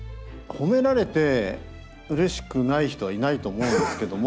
褒められてうれしくない人はいないと思うんですけども。